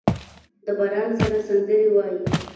د باران سره سندرې وايي